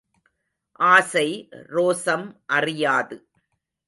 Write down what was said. ஆசை ரோசம் அறியாது.